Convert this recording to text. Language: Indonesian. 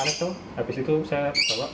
ternyata sampai disitu saya tanyain kosong